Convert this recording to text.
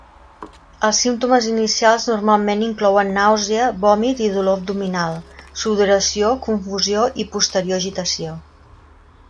Els símptomes inicials normalment inclouen nàusea, vòmit i dolor abdominal; sudoració, confusió i posterior agitació.